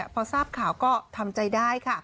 พอทราบข่าวก็ทำใจได้ค่ะ